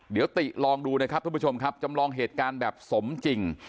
เดี๋ยวติลองดูนะครับทุกผู้ชมครับจำลองเหตุการณ์แบบสมจริง